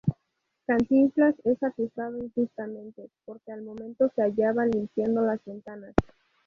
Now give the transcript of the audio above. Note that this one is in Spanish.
Cantinflas es acusado injustamente porque al momento se hallaba limpiando las ventanas.